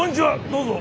どうぞ。